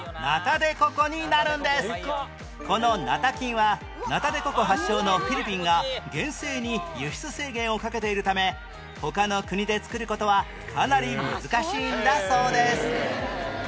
このナタ菌はナタデココ発祥のフィリピンが厳正に輸出制限をかけているため他の国で作る事はかなり難しいんだそうです